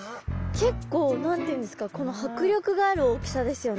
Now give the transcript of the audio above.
結構何て言うんですか迫力がある大きさですよね。